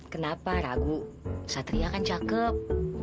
kenapa ragu satri akan cakep